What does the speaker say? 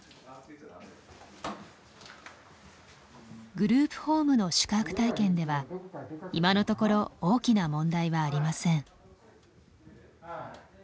グループホームの宿泊体験では今のところ大きな問題はありません。